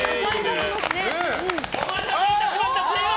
お待たせいたしました！